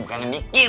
bukan yang mikir